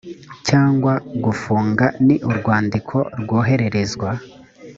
cyangwa gufunga ni urwandiko rwohererezwa